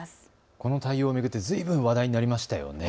この対応を巡ってずいぶん話題になりましたよね。